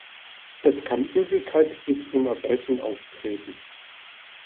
Es kann Übelkeit bis zum Erbrechen auftreten.